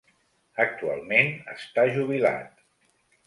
Actualment està jubilat.